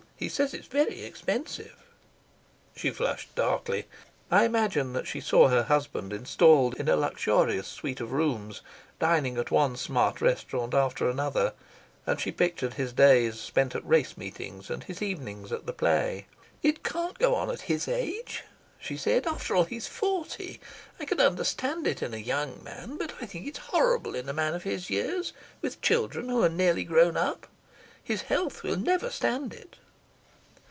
He says it's very expensive." She flushed darkly. I imagined that she saw her husband installed in a luxurious suite of rooms, dining at one smart restaurant after another, and she pictured his days spent at race meetings and his evenings at the play. "It can't go on at his age," she said. "After all, he's forty. I could understand it in a young man, but I think it's horrible in a man of his years, with children who are nearly grown up. His health will never stand it."